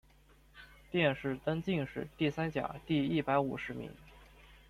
殿试登进士第三甲第一百五十名。